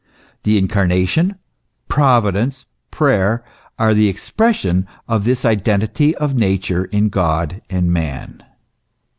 The Incarnation Provi dence, prayer, are the expression of this identity of nature in God and man.